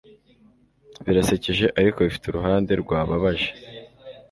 birasekeje, ariko bifite uruhande rwababaje